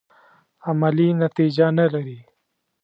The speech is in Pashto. عملي نتیجه نه لري.